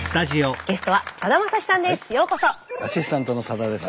ゲストはさだまさしさんです。